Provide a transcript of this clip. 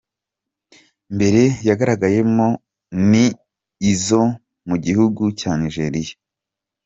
mbere yagaragayemo ni izo mu gihugu cya Nigeriya.